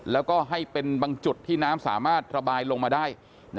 แล้วก็ให้เป็นบางจุดที่น้ำสามารถระบายลงมาได้